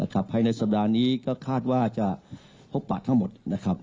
ภายในสัปดาห์นี้ก็คาดว่าจะพบปะทั้งหมดนะครับ